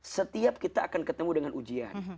setiap kita akan ketemu dengan ujian